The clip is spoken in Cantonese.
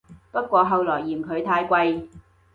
不過後來嫌佢太貴